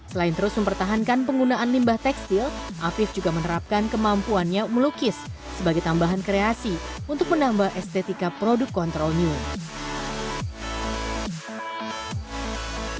selain terus mempertahankan penggunaan limbah tekstil afif juga menerapkan kemampuannya melukis sebagai tambahan kreasi untuk menambah estetika produk control new